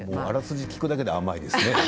あらすじ聞くだけで甘いですね。